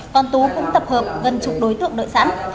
còn tú cũng tập hợp gần chục đối tượng đợi sẵn